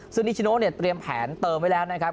ซึ่งนิชโนเนี่ยเตรียมแผนเติมไว้แล้วนะครับ